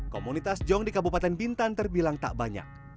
komunitas jong di kabupaten bintan terbilang tak banyak